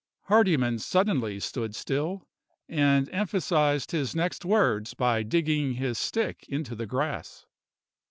Hardyman suddenly stood still, and emphasized his next words by digging his stick into the grass.